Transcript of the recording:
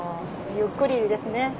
ゆっくりですね。